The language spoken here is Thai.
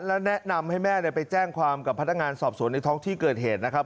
และแนะนำให้แม่ไปแจ้งความกับพนักงานสอบสวนในท้องที่เกิดเหตุนะครับ